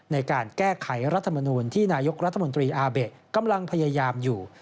ในการแก้ไขรัฐมนูลที่นายกรัฐมนตรีอาเบะกำลังพยายามอยู่